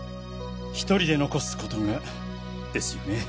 １人で残すことがですよね。